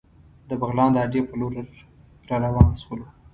د بغلان د اډې په لور را روان شولو.